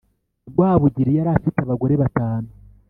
rwabugiri yari afite abagore batanu